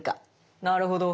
なるほど。